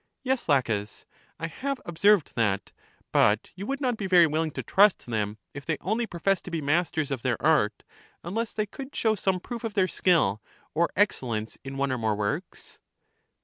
Yes, Laches, I have observed that; but you would not be very willing to trust them if they only professed to be masters of their art, unless they could LACHES 97 show some proof of their skill or excellence in one or more works.